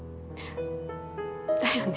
だよね。